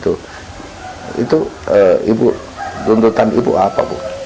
oh gitu itu tuntutan ibu apa bu